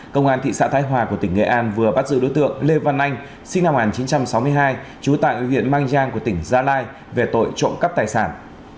công an thị xã thái hòa của tỉnh nghệ an vừa bắt giữ đối tượng lê văn anh sinh năm một nghìn chín trăm sáu mươi hai trú tại huyện mang giang của tỉnh gia lai về tội trộm cắp tài sản